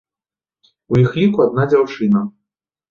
У іх ліку адна дзяўчына.